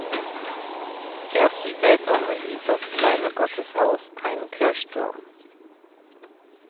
Erst später erhielt das kleine Gotteshaus einen Kirchturm.